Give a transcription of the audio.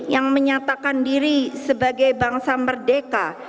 yang menyatakan diri sebagai bangsa merdeka